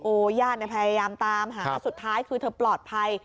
ญาติพยายามตามหาสุดท้ายคือเธอปลอดภัย